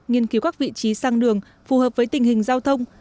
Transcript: nghiên cứu các vị trí sang đường phù hợp với tình hình giao thông